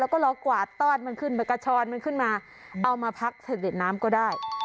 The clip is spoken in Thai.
แล้วก็เรากวาดตอดมันขึ้นไปกระชอนมันขึ้นมาเอามาพักเสด็จน้ำก็ได้